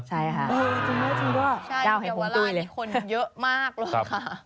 ใช่ว่าคะ